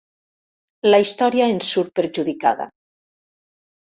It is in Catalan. La història en surt perjudicada.